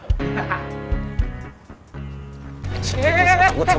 tidak ada yang benar